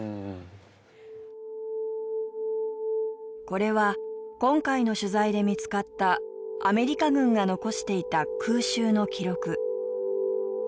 これは今回の取材で見つかったアメリカ軍が残していた空襲の記録。